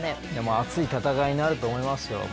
熱い戦いになると思いますよ。